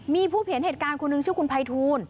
มีผู้เห็นเหตุการณ์คนหนึ่งชื่อคุณภัยทูล